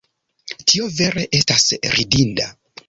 Tio vere estas ridinda!